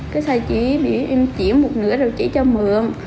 cái sai chỉ vì em chuyển một nửa rồi chỉ cho mượn